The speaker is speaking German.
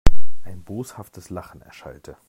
Ein boshaftes Lachen erschallte.